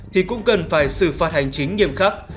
thì cũng cần phải xử phạt hành chính nghiêm khắc